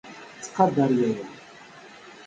Ttqadar yaya.